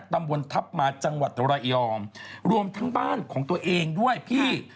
ตำบลทัพมาจังหวัดระยองรวมทั้งบ้านของตัวเองด้วยพี่